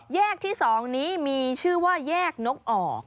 แยกที่๒นี้มีชื่อว่าแยกนกออก